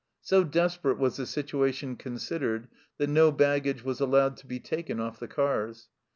So desperate was the situation considered that no baggage was allowed to be taken off the cars.